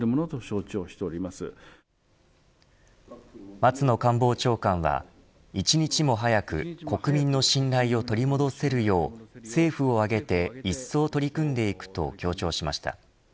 松野官房長官は一日も早く国民の信頼を取り戻せるよう政府を挙げていっそう取り組んでいくと強調しました。